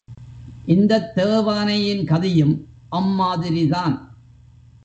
இந்தத் தேவானையின் கதியும் அம்மாதிரிதான்!